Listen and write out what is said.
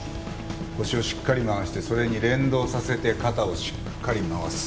腰をしっかり回してそれに連動させて肩をしっかり回す。